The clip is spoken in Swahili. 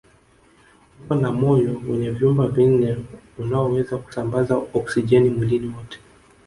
Huwa na moyo wenye vyumba vinne unaoweza kusambaza oksijeni mwilini mote